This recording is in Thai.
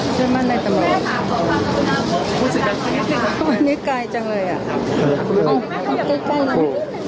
เชื่อมั่นในตำรวจค่ะวันนี้ไกลจังเลยอ่ะโอ้ใกล้ใกล้เลย